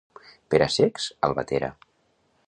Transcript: Per a cecs, Albatera.